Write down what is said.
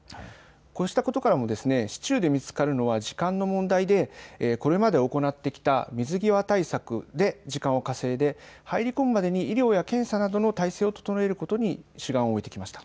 こうしたことからも市中で見つかるのは時間の問題でこれまで行ってきた水際対策で時間を稼いで入り込むまでに医療や検査などの態勢を整えることに主眼を置いてきました。